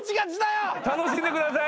楽しんでください。